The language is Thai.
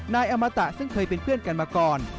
นายอมตะซึ่งเคยเป็นเพื่อนกันมาก่อน